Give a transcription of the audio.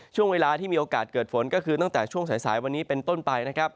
ช่วงเวลาที่มีโอกาสเกิดฝนก็คือตั้งแต่ช่วงสายวันนี้เป็นต้นไปนะครับ